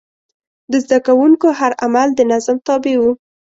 د زده کوونکو هر عمل د نظم تابع و.